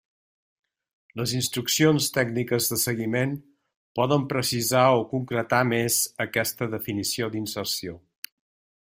Les instruccions tècniques de seguiment poden precisar o concretar més aquesta definició d'inserció.